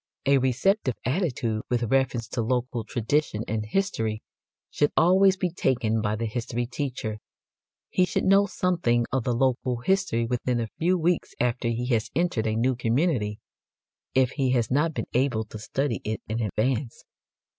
A receptive attitude with reference to local tradition and history should always be taken by the history teacher. He should know something of the local history within a few weeks after he has entered a new community, if he has not been able to study it in advance.